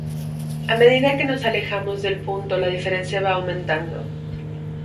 A medida que nos alejamos del punto la diferencia va aumentando.